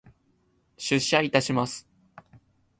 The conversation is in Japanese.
出社いたします。